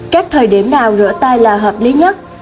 kép thời điểm nào rửa tay là hợp lý nhất